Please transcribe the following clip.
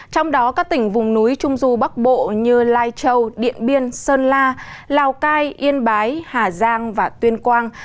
trong đó các tỉnh vùng núi trung du bắc bộ như lai châu điện biên sơn la lào cai yên bái hà giang và tuyên quang